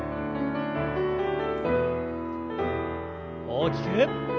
大きく。